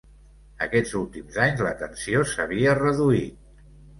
Aquests últims anys la tensió s’havia reduït.